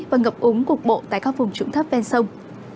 và ngập ống cuộc bộ tại các vùng trụng thấp ven sông